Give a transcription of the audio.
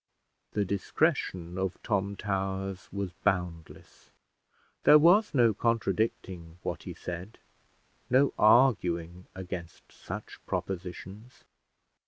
The discretion of Tom Towers was boundless: there was no contradicting what he said, no arguing against such propositions.